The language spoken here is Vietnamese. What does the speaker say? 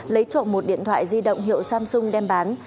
lấy trộm một điện thoại di động hiệu samsung đem bán